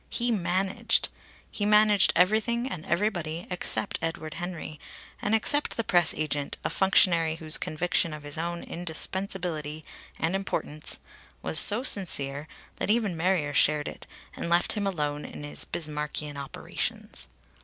He managed! He managed everything and everybody except Edward Henry, and except the press agent, a functionary whose conviction of his own indispensability and importance was so sincere that even Marrier shared it, and left him alone in his Bismarckian operations.